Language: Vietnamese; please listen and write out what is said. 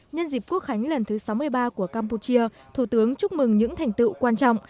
nhân dịp quốc khánh lần thứ sáu mươi ba của campuchia thủ tướng chúc mừng những thành tựu quan trọng